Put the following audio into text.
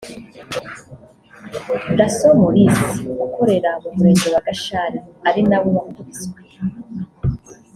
Dasso Maurice ukorera mu murenge wa Gashali ari nawe wakubiswe